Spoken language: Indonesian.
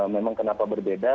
memang kenapa berbeda